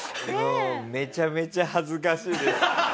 めちゃめちゃ恥ずかしいです。